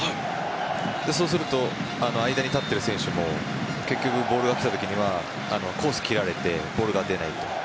そうすると間に立っている選手も結局、ボールが来たときにはコースを切られてボールが出ないと。